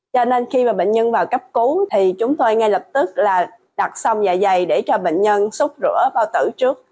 cho nên khi mà bệnh nhân vào cấp cứu thì chúng tôi ngay lập tức là đặt xong vài giày để cho bệnh nhân xúc rửa bao tử trước